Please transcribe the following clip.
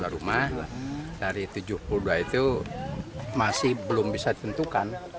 tujuh puluh dua rumah dari tujuh puluh dua itu masih belum bisa ditentukan